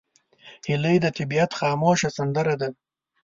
هیلۍ د طبیعت خاموشه سندره ده